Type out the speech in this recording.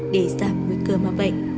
để giảm nguy cơ mà vậy